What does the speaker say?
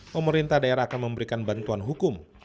pemerintah daerah akan memberikan bantuan hukum